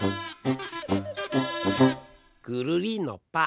ぐるりんのぱ！